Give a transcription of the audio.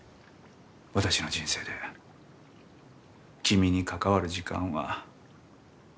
私の人生で君に関わる時間は終わった。